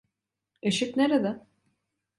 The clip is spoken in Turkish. Işık nerede?